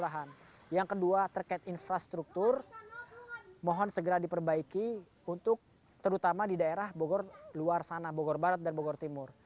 harapan segera diperbaiki untuk terutama di daerah bogor luar sana bogor barat dan bogor timur